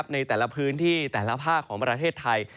ในแต่ละพื้นที่แต่ละภาคของประเทศไทย